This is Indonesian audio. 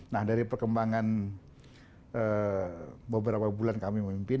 nah dari perkembangan beberapa bulan kami memimpin